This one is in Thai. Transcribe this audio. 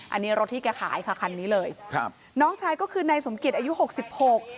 อันนี้รถที่แกขายค่ะคันนี้เลยครับน้องชายก็คือนายสมเกียจอายุหกสิบหก